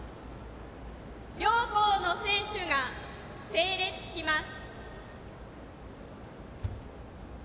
両校の選手が整列します。